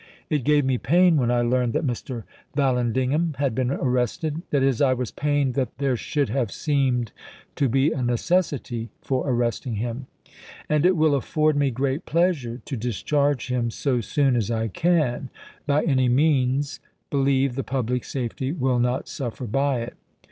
,. It gave me pain when I learned that VALLANDIGHAM 349 Mr. Vallandighain had been arrested — that is, I was chap. xn. pained that there should have seemed to be a necessity for arresting him — and it will afford me great pleasure to discharge him so soon as I can, by any means, believe the public safety will not suffer by it.